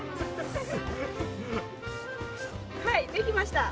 はいできました！